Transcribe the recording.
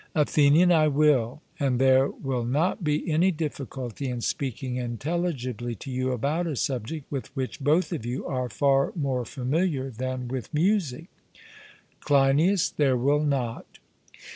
ATHENIAN: I will; and there will not be any difficulty in speaking intelligibly to you about a subject with which both of you are far more familiar than with music. CLEINIAS: There will not.